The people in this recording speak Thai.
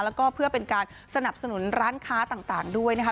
แล้วก็เพื่อเป็นการสนับสนุนร้านค้าต่างด้วยนะคะ